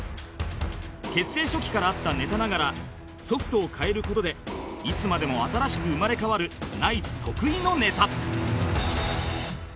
結成初期からあったネタながらソフトを変える事でいつまでも新しく生まれ変わるナイツ得意のネタ